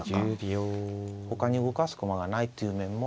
ほかに動かす駒がないという面もあるんですよね。